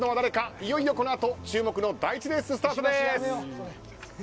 いよいよこのあと注目の第１レース、スタートです。